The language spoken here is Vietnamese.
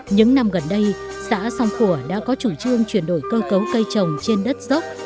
những năm gần đây xã song khổ đã có chủ trương chuyển đổi cơ cấu cây trồng trên đất dốc